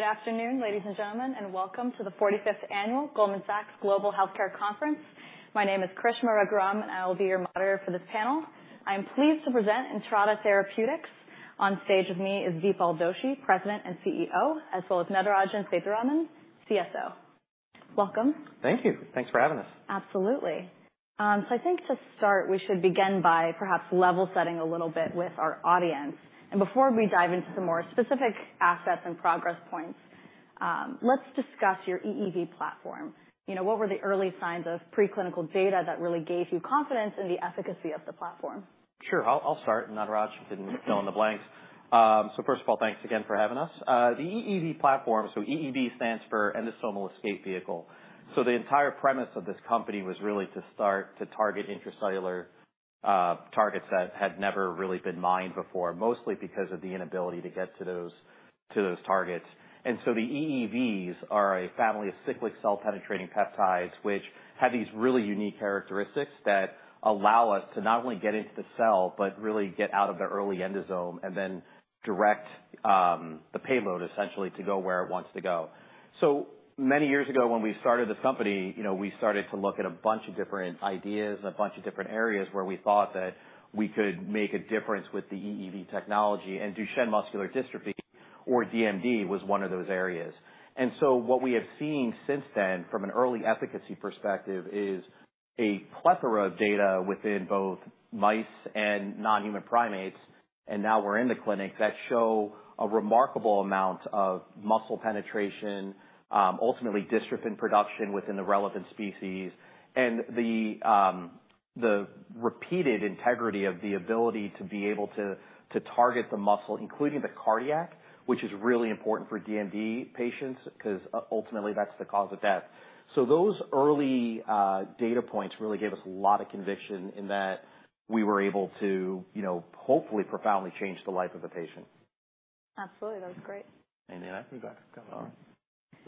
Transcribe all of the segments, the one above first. All right. Good afternoon, ladies and gentlemen, and welcome to the 45th Annual Goldman Sachs Global Healthcare Conference. My name is Karishma Raghuram, and I will be your moderator for this panel. I'm pleased to present Entrada Therapeutics. On stage with me is Dipal Doshi, President and CEO, as well as Natarajan Sethuraman, CSO. Welcome. Thank you. Thanks for having us. Absolutely. So I think to start, we should begin by perhaps level setting a little bit with our audience. Before we dive into some more specific assets and progress points, let's discuss your EEV platform. You know, what were the early signs of preclinical data that really gave you confidence in the efficacy of the platform? Sure. I'll start, Natarajan, you can fill in the blanks. So first of all, thanks again for having us. The EEV platform, so EEV stands for endosomal escape vehicle. So the entire premise of this company was really to start to target intracellular targets that had never really been mined before, mostly because of the inability to get to those, to those targets. And so the EEVs are a family of cyclic cell-penetrating peptides, which have these really unique characteristics that allow us to not only get into the cell, but really get out of the early endosome and then direct the payload essentially to go where it wants to go. So many years ago, when we started the company, you know, we started to look at a bunch of different ideas and a bunch of different areas where we thought that we could make a difference with the EEV technology, and Duchenne muscular dystrophy, or DMD, was one of those areas. So what we have seen since then, from an early efficacy perspective, is a plethora of data within both mice and non-human primates, and now we're in the clinic, that show a remarkable amount of muscle penetration, ultimately Dystrophin production within the relevant species. And the repeated integrity of the ability to be able to target the muscle, including the cardiac, which is really important for DMD patients, 'cause ultimately, that's the cause of death. So those early, data points really gave us a lot of conviction in that we were able to, you know, hopefully profoundly change the life of the patient. Absolutely. That was great. Anything to add to that,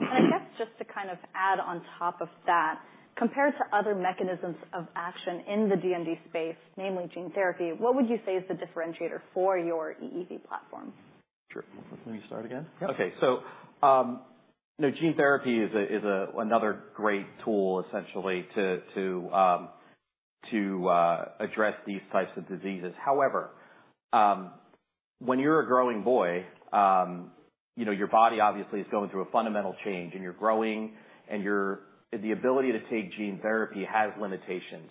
Natarajan? I guess just to kind of add on top of that, compared to other mechanisms of action in the DMD space, namely gene therapy, what would you say is the differentiator for your EEV platform? Sure. Let me start again? Okay. So, you know, gene therapy is a, is another great tool essentially to, to, address these types of diseases. However, when you're a growing boy, you know, your body obviously is going through a fundamental change, and you're growing, and the ability to take gene therapy has limitations.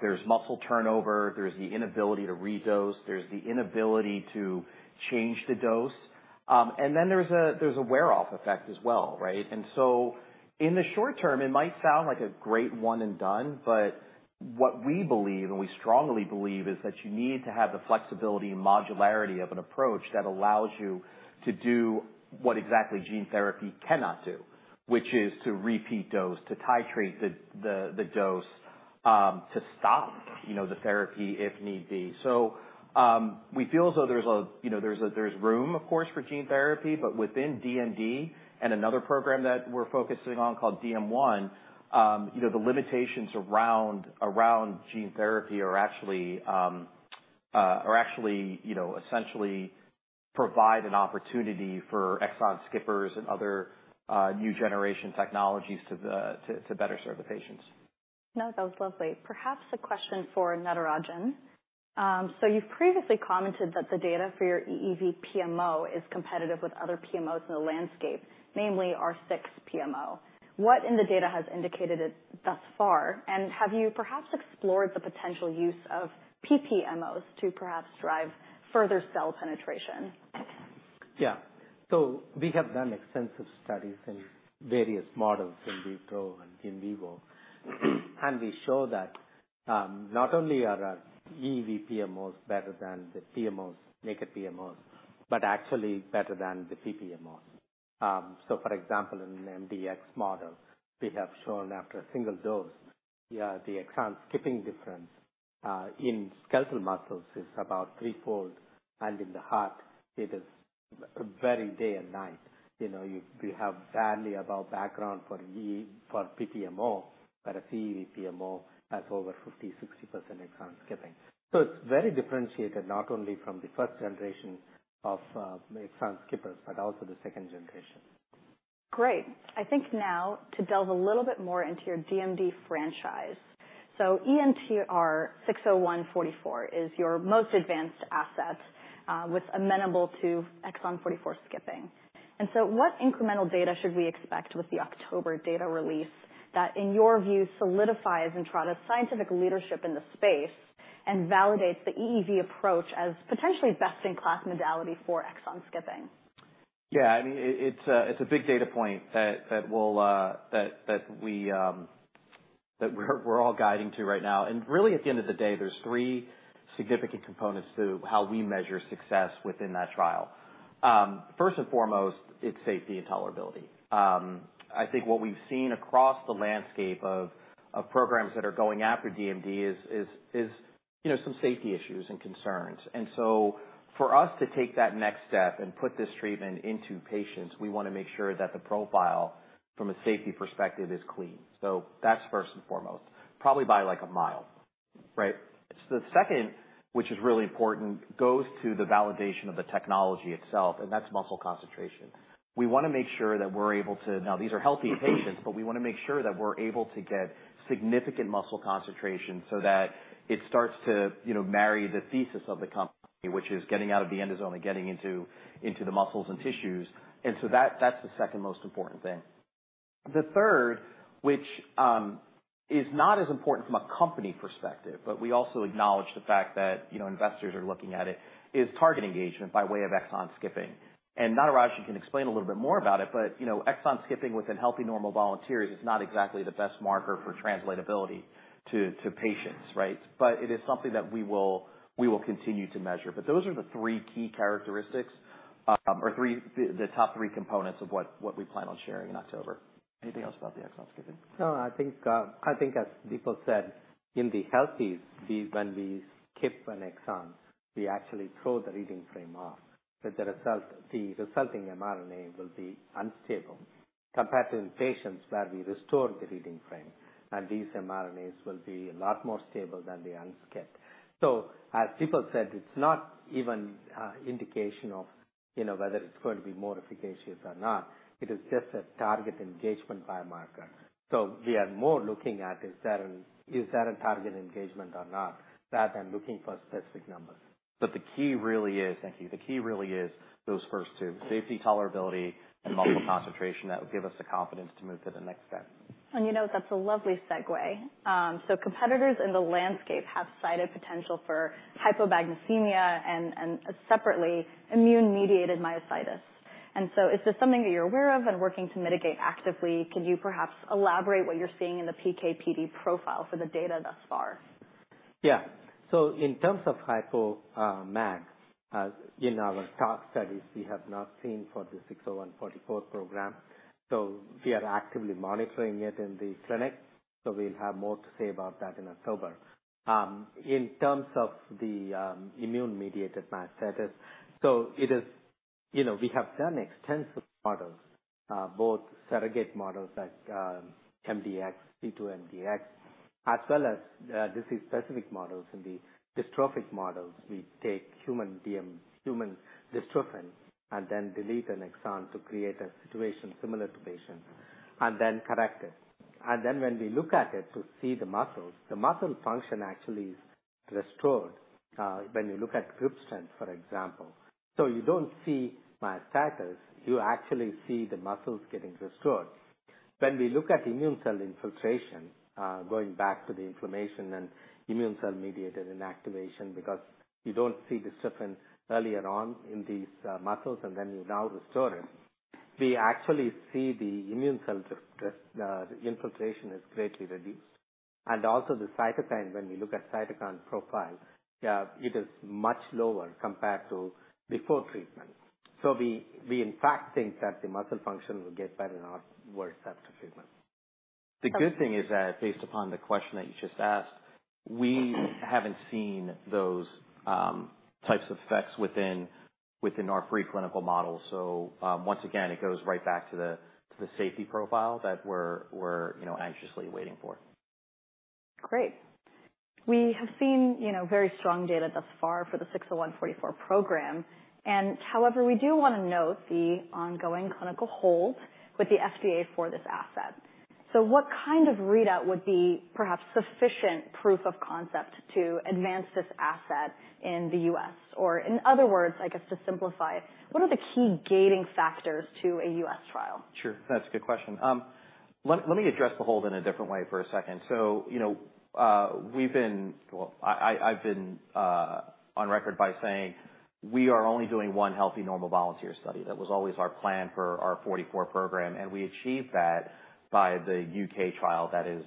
There's muscle turnover, there's the inability to redose, there's the inability to change the dose, and then there's a wear-off effect as well, right? And so in the short term, it might sound like a great one and done, but what we believe, and we strongly believe, is that you need to have the flexibility and modularity of an approach that allows you to do what exactly gene therapy cannot do, which is to repeat dose, to titrate the dose, to stop, you know, the therapy if need be. So, we feel as though there's a, you know, there's room, of course, for gene therapy, but within DMD and another program that we're focusing on called DM1, you know, the limitations around gene therapy are actually, you know, essentially provide an opportunity for exon skippers and other new generation technologies to better serve the patients. No, that was lovely. Perhaps a question for Natarajan. So you've previously commented that the data for your EEV PMO is competitive with other PMOs in the landscape, namely R6 PMO. What in the data has indicated it thus far, and have you perhaps explored the potential use of PPMOs to perhaps drive further cell penetration? We have done extensive studies in various models in vitro and in vivo. We show that not only are our EEV PMOs better than the naked PMOs, but actually better than the PPMOs. So for example, in an MDX model, we have shown after a single dose, the exon skipping difference in skeletal muscles is about threefold, and in the heart it is very day and night. You know, we have barely above background for PPMO, but an EEV PMO has over 50%-60% exon skipping. So it's very differentiated, not only from the first generation of exon skippers, but also the second generation. Great. I think now to delve a little bit more into your DMD franchise. So ENTR-601-44 is your most advanced asset, with amenable to exon 44 skipping. And so what incremental data should we expect with the October data release that, in your view, solidifies Entrada's scientific leadership in this space and validates the EEV approach as potentially best-in-class modality for exon skipping? Yeah, I mean, it's a big data point that we're all guiding to right now. And really, at the end of the day, there's three significant components to how we measure success within that trial. First and foremost, it's safety and tolerability. I think what we've seen across the landscape of programs that are going after DMD is, you know, some safety issues and concerns. And so for us to take that next step and put this treatment into patients, we wanna make sure that the profile from a safety perspective is clean. So that's first and foremost, probably by like a mile. Right. So the second, which is really important, goes to the validation of the technology itself, and that's muscle concentration. We wanna make sure that we're able to. Now, these are healthy patients, but we wanna make sure that we're able to get significant muscle concentration so that it starts to, you know, marry the thesis of the company, which is getting out of the endosome and getting into the muscles and tissues. And so that, that's the second most important thing. The third, which is not as important from a company perspective, but we also acknowledge the fact that, you know, investors are looking at it, is target engagement by way of exon skipping. And Natarajan, you can explain a little bit more about it, but, you know, exon skipping within healthy, normal volunteers is not exactly the best marker for translatability to patients, right? But it is something that we will continue to measure. But those are the three key characteristics, or the top three components of what we plan on sharing in October. Anything else about the exon skipping? No, I think as people said, in the healthy, when we skip an exon, we actually throw the reading frame off, but the resulting mRNA will be unstable compared to patients where we restore the reading frame, and these mRNAs will be a lot more stable than the unskipped. So as people said, it's not even indication of, you know, whether it's going to be more efficacious or not, it is just a target engagement biomarker. So we are more looking at is there a target engagement or not, rather than looking for specific numbers. But the key really is, thank you. The key really is those first two, safety, tolerability, and muscle concentration, that will give us the confidence to move to the next step. You know, that's a lovely segue. So competitors in the landscape have cited potential for hypomagnesemia and separately, immune-mediated myositis. So is this something that you're aware of and working to mitigate actively? Could you perhaps elaborate what you're seeing in the PK/PD profile for the data thus far? Yeah. So in terms of hypomagnesemia, in our tox studies, we have not seen for the 601-44 program, so we are actively monitoring it in the clinic, so we'll have more to say about that in October. In terms of the immune-mediated myositis, so it is. You know, we have done extensive models, both surrogate models like MDX, D2-mdx, as well as disease-specific models. In the dystrophic models, we take human DMD human dystrophin, and then delete an exon to create a situation similar to patients and then correct it. And then when we look at it to see the muscles, the muscle function actually is restored, when you look at grip strength, for example. So you don't see myositis, you actually see the muscles getting restored. When we look at immune cell infiltration, going back to the inflammation and immune cell-mediated inactivation, because you don't see Dystrophin earlier on in these muscles, and then you now restore it, we actually see the immune cells, the infiltration is greatly reduced. And also the cytokine, when we look at cytokine profile, it is much lower compared to before treatment. So we in fact think that the muscle function will get better, not worse, after treatment. The good thing is that based upon the question that you just asked, we haven't seen those types of effects within our preclinical models. So, once again, it goes right back to the safety profile that we're, you know, anxiously waiting for. Great. We have seen, you know, very strong data thus far for the 601-44 program, and however, we do wanna note the ongoing clinical hold with the FDA for this asset. So what kind of readout would be perhaps sufficient proof of concept to advance this asset in the U.S.? Or in other words, I guess, to simplify, what are the key gating factors to a U.S. trial? Sure. That's a good question. Let me address the hold in a different way for a second. So, you know, we've been... Well, I've been on record by saying we are only doing one healthy, normal volunteer study. That was always our plan for our 44 program, and we achieved that by the U.K. trial that is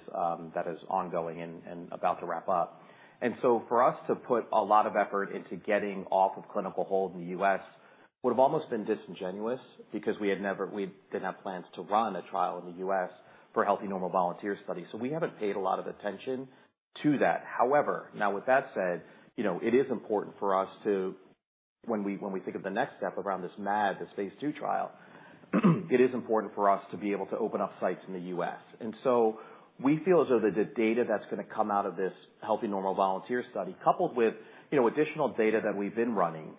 ongoing and about to wrap up. And so for us to put a lot of effort into getting off of clinical hold in the U.S. would've almost been disingenuous, because we had never- we didn't have plans to run a trial in the U.S. for healthy, normal volunteer studies. So we haven't paid a lot of attention to that. However, now with that said, you know, it is important for us to when we, when we think of the next step around this MAD, this phase two trial, it is important for us to be able to open up sites in the U.S. And so we feel as though the data that's gonna come out of this healthy, normal volunteer study, coupled with, you know, additional data that we've been running,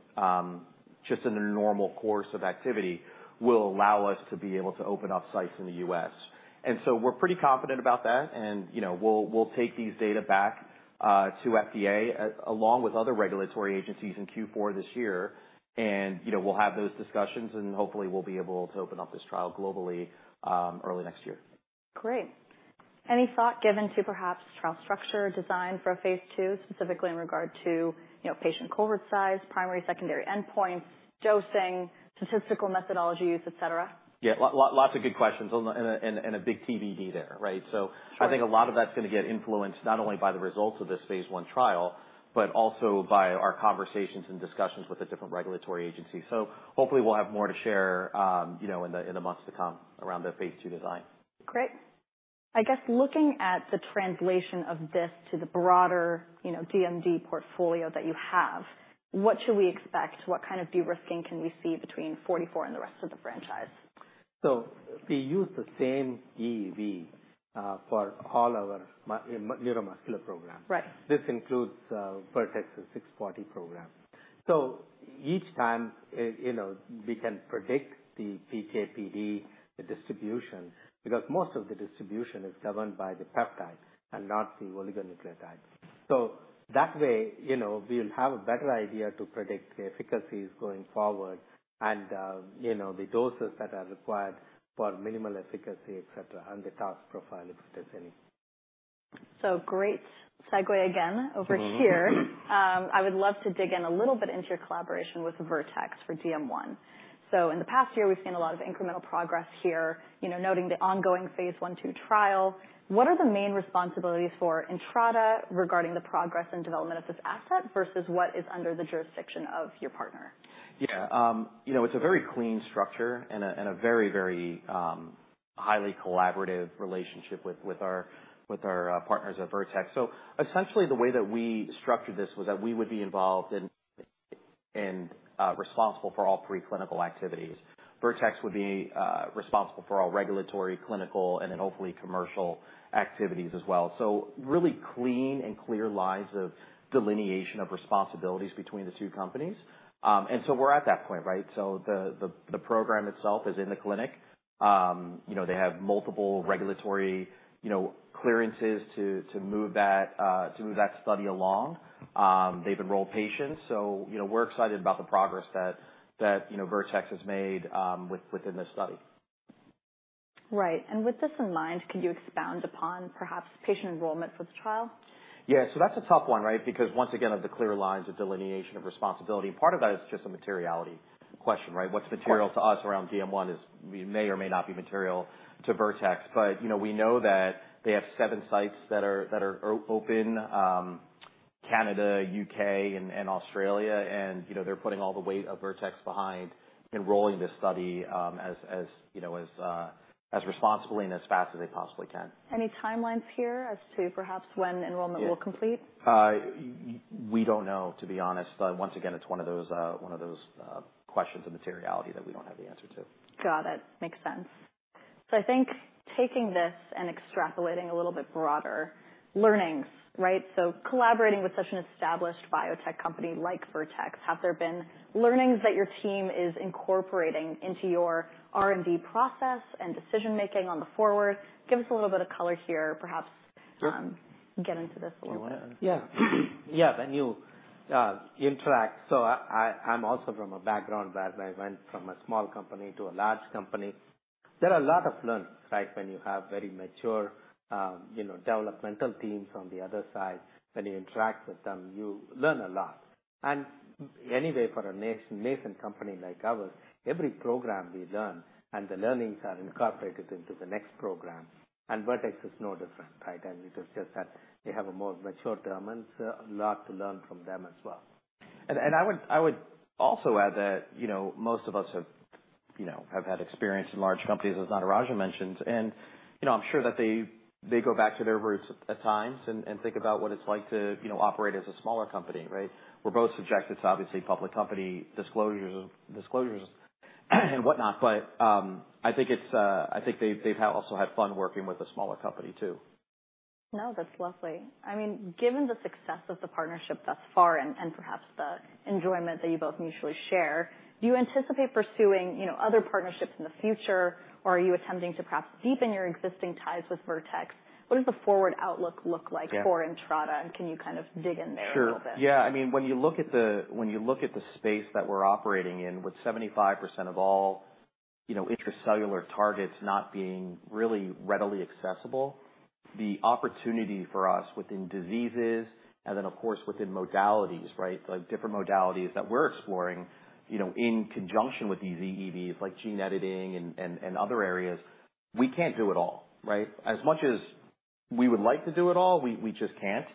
just in the normal course of activity, will allow us to be able to open up sites in the U.S. And so we're pretty confident about that, and, you know, we'll, we'll take these data back, to FDA, along with other regulatory agencies in Q4 this year. And, you know, we'll have those discussions, and hopefully, we'll be able to open up this trial globally, early next year. Great. Any thought given to perhaps trial structure design for a phase 2, specifically in regard to, you know, patient cohort size, primary, secondary endpoint, dosing, statistical methodology use, et cetera? Yeah. Lots of good questions and a big TBD there, right? So I think a lot of that's gonna get influenced not only by the results of this phase 1 trial, but also by our conversations and discussions with the different regulatory agencies. So hopefully, we'll have more to share, you know, in the months to come around the phase 2 design. Great. I guess looking at the translation of this to the broader, you know, DMD portfolio that you have, what should we expect? What kind of de-risking can we see between 44 and the rest of the franchise? ... So we use the same EV for all our neuromuscular programs. Right. This includes Vertex's 640 program. So each time, you know, we can predict the PK/PD, the distribution, because most of the distribution is governed by the peptide and not the oligonucleotide. So that way, you know, we'll have a better idea to predict the efficacies going forward and, you know, the doses that are required for minimal efficacy, et cetera, and the task profile, if there's any. Great segue again over here. Mm-hmm. I would love to dig in a little bit into your collaboration with Vertex for DM1. In the past year, we've seen a lot of incremental progress here, you know, noting the ongoing phase I/II trial. What are the main responsibilities for Entrada regarding the progress and development of this asset versus what is under the jurisdiction of your partner? Yeah. You know, it's a very clean structure and a very, very highly collaborative relationship with our partners at Vertex. So essentially, the way that we structured this was that we would be involved in and responsible for all preclinical activities. Vertex would be responsible for all regulatory, clinical, and then hopefully commercial activities as well. So really clean and clear lines of delineation of responsibilities between the two companies. And so we're at that point, right? So the program itself is in the clinic. You know, they have multiple regulatory clearances to move that study along. They've enrolled patients. So, you know, we're excited about the progress that Vertex has made within this study. Right. With this in mind, can you expound upon perhaps patient enrollment for the trial? Yeah. So that's a tough one, right? Because once again, of the clear lines of delineation of responsibility, and part of that is just a materiality question, right? Right. What's material to us around DM1 is, may or may not be material to Vertex, but, you know, we know that they have 7 sites that are open, Canada, U.K., and Australia, and, you know, they're putting all the weight of Vertex behind enrolling this study, as you know, as responsibly and as fast as they possibly can. Any timelines here as to perhaps when enrollment will complete? We don't know, to be honest. But once again, it's one of those, one of those, questions of materiality that we don't have the answer to. Got it. Makes sense. So I think taking this and extrapolating a little bit broader, learnings, right? So collaborating with such an established biotech company like Vertex, have there been learnings that your team is incorporating into your R&D process and decision making on the forward? Give us a little bit of color here, perhaps, get into this a little bit. Yeah. Yeah, when you interact. So I'm also from a background where I went from a small company to a large company. There are a lot of learnings, right? When you have very mature, you know, developmental teams on the other side. When you interact with them, you learn a lot. And anyway, for a nascent company like ours, every program we learn and the learnings are incorporated into the next program, and Vertex is no different, right? And it is just that they have a more mature team and a lot to learn from them as well. I would also add that, you know, most of us have, you know, had experience in large companies, as Natarajan mentioned. And, you know, I'm sure that they go back to their roots at times and think about what it's like to, you know, operate as a smaller company, right? We're both subjected to, obviously, public company disclosures and whatnot, but I think it's, I think they've also had fun working with a smaller company, too. No, that's lovely. I mean, given the success of the partnership thus far and perhaps the enjoyment that you both mutually share, do you anticipate pursuing, you know, other partnerships in the future, or are you attempting to perhaps deepen your existing ties with Vertex? What does the forward outlook look like? Yeah. -for Entrada, and can you kind of dig in there a little bit? Sure. Yeah. I mean, when you look at the space that we're operating in, with 75% of all, you know, intracellular targets not being really readily accessible, the opportunity for us within diseases and then, of course, within modalities, right? Like, different modalities that we're exploring, you know, in conjunction with these EEVs, like gene editing and other areas, we can't do it all, right? As much as we would like to do it all, we just can't.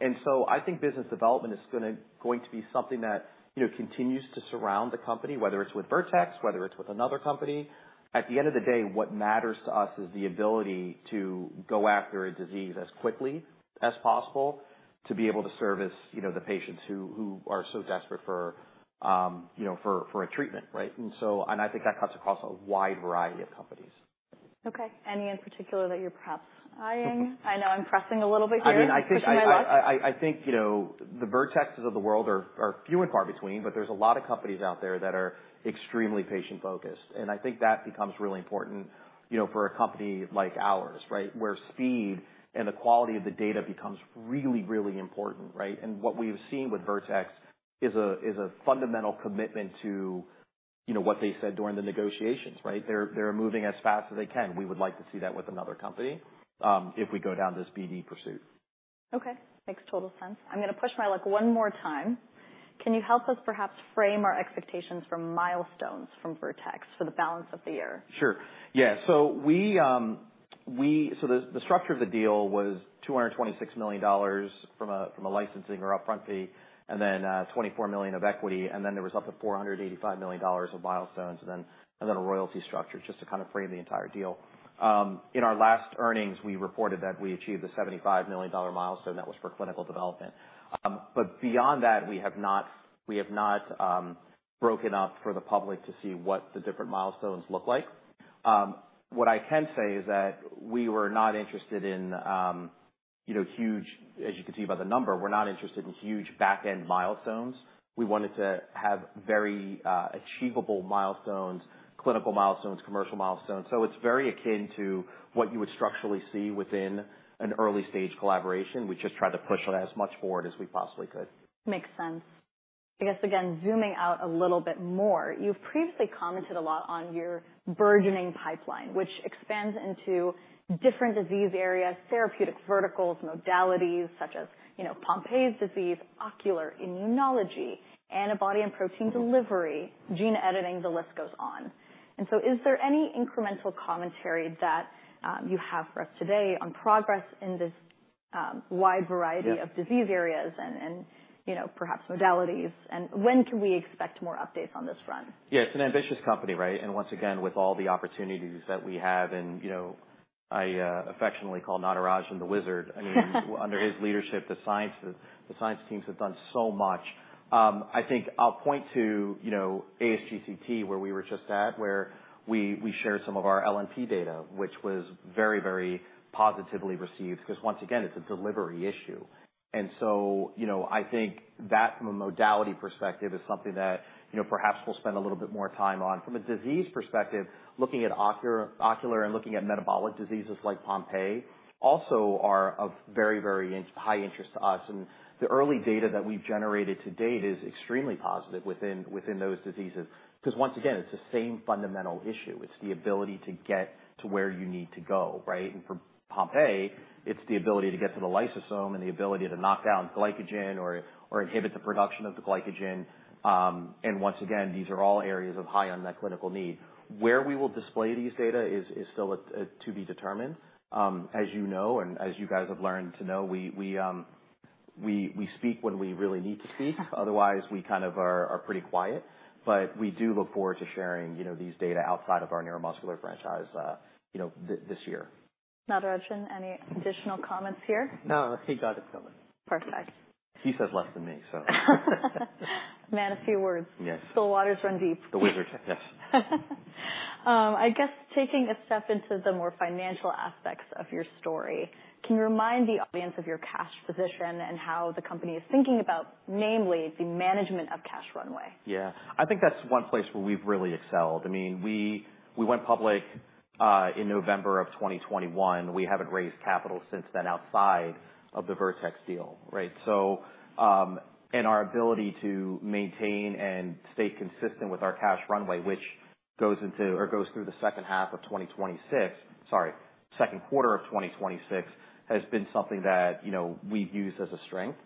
And so I think business development is going to be something that, you know, continues to surround the company, whether it's with Vertex, whether it's with another company. At the end of the day, what matters to us is the ability to go after a disease as quickly as possible, to be able to service, you know, the patients who are so desperate for, you know, for a treatment, right? And so, I think that cuts across a wide variety of companies. Okay. Any in particular that you're perhaps eyeing? I know I'm pressing a little bit here, pushing my luck. I mean, I think, you know, the Vertexes of the world are few and far between, but there's a lot of companies out there that are extremely patient-focused. And I think that becomes really important, you know, for a company like ours, right? Where speed and the quality of the data becomes really, really important, right? And what we've seen with Vertex is a fundamental commitment to, you know, what they said during the negotiations, right? They're moving as fast as they can. We would like to see that with another company, if we go down this BD pursuit. Okay, makes total sense. I'm going to push my luck one more time. Can you help us perhaps frame our expectations from milestones from Vertex for the balance of the year? Sure. Yeah. So the structure of the deal was $226 million from a licensing or upfront fee, and then $24 million of equity, and then there was up to $485 million of milestones, and then a royalty structure just to kind of frame the entire deal. In our last earnings, we reported that we achieved a $75 million milestone. That was for clinical development. But beyond that, we have not broken up for the public to see what the different milestones look like. What I can say is that we were not interested in, you know, huge, as you can see by the number, we're not interested in huge backend milestones. We wanted to have very achievable milestones, clinical milestones, commercial milestones. It's very akin to what you would structurally see within an early-stage collaboration. We just tried to push on it as much forward as we possibly could. Makes sense. I guess again, zooming out a little bit more, you've previously commented a lot on your burgeoning pipeline, which expands into different disease areas, therapeutic verticals, modalities such as, you know, Pompe's disease, ocular, immunology, antibody and protein delivery, gene editing, the list goes on. And so is there any incremental commentary that you have for us today on progress in this wide variety- Yes of disease areas and, you know, perhaps modalities? And when can we expect more updates on this front? Yeah, it's an ambitious company, right? And once again, with all the opportunities that we have, and, you know, I affectionately call Natarajan, "The Wizard." I mean, under his leadership, the science, the science teams have done so much. I think I'll point to, you know, ASGCT, where we were just at, where we shared some of our LNP data, which was very, very positively received, because once again, it's a delivery issue. And so, you know, I think that from a modality perspective, is something that, you know, perhaps we'll spend a little bit more time on. From a disease perspective, looking at ocular and looking at metabolic diseases like Pompe, also are of very, very high interest to us. And the early data that we've generated to date is extremely positive within, within those diseases. Because once again, it's the same fundamental issue. It's the ability to get to where you need to go, right? And for Pompe, it's the ability to get to the lysosome and the ability to knock down glycogen or inhibit the production of the glycogen. And once again, these are all areas of high unmet clinical need. Where we will display these data is still to be determined. As you know, and as you guys have learned to know, we speak when we really need to speak. Otherwise, we kind of are pretty quiet. But we do look forward to sharing, you know, these data outside of our neuromuscular franchise, you know, this year. Natarajan, any additional comments here? No, he got it covered. Perfect. He says less than me, so. Man of few words. Yes. Still waters run deep. The wizard, yes. I guess taking a step into the more financial aspects of your story, can you remind the audience of your cash position and how the company is thinking about, namely, the management of cash runway? Yeah. I think that's one place where we've really excelled. I mean, we went public in November of 2021. We haven't raised capital since then, outside of the Vertex deal, right? So, our ability to maintain and stay consistent with our cash runway, which goes into or goes through the second half of 2026, sorry, second quarter of 2026, has been something that, you know, we've used as a strength.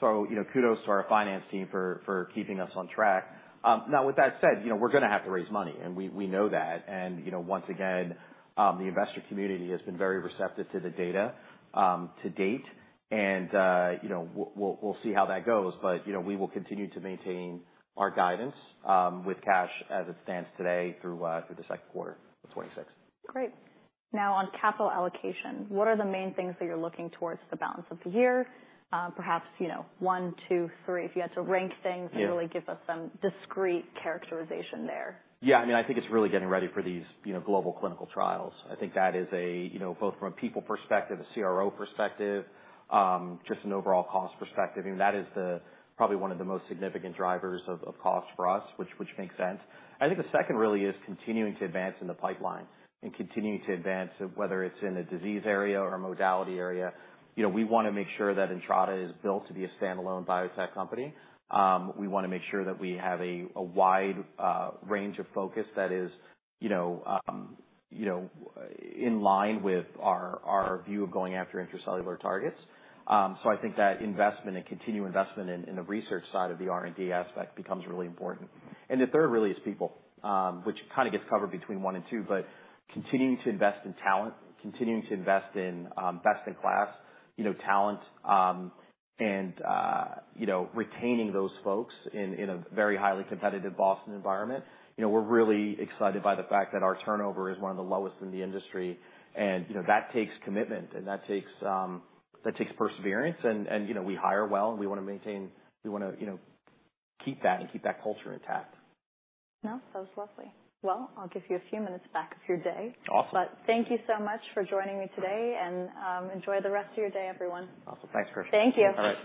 So, you know, kudos to our finance team for keeping us on track. Now with that said, you know, we're gonna have to raise money, and we know that. You know, once again, the investor community has been very receptive to the data to date, and, you know, we'll see how that goes. You know, we will continue to maintain our guidance with cash as it stands today through the second quarter of 2026. Great. Now, on capital allocation, what are the main things that you're looking towards the balance of the year? Perhaps, you know, 1, 2, 3, if you had to rank things- Yeah - really give us some discrete characterization there. Yeah, I mean, I think it's really getting ready for these, you know, global clinical trials. I think that is a, you know, both from a people perspective, a CRO perspective, just an overall cost perspective, I mean, that is the, probably one of the most significant drivers of, of cost for us, which, which makes sense. I think the second really is continuing to advance in the pipeline and continuing to advance, whether it's in a disease area or a modality area, you know, we wanna make sure that Entrada is built to be a standalone biotech company. We wanna make sure that we have a, a wide, range of focus that is, you know, you know, in line with our, our view of going after intracellular targets. So I think that investment and continued investment in the research side of the R&D aspect becomes really important. And the third really is people, which kind of gets covered between one and two, but continuing to invest in talent, continuing to invest in best-in-class, you know, talent, and you know, retaining those folks in a very highly competitive Boston environment. You know, we're really excited by the fact that our turnover is one of the lowest in the industry. And, you know, that takes commitment, and that takes perseverance and, you know, we hire well, and we wanna maintain, we wanna, you know, keep that and keep that culture intact. No, that was lovely. Well, I'll give you a few minutes back of your day. Awesome. Thank you so much for joining me today, and enjoy the rest of your day, everyone. Awesome. Thanks, Karishma. Thank you. All right.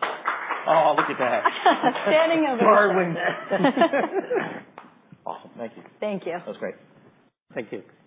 Oh, look at that. Standing ovation. Morning. Awesome. Thank you. Thank you. That was great. Thank you. Thanks.